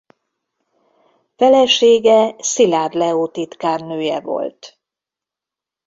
Felesége Szilárd Leó titkárnője volt.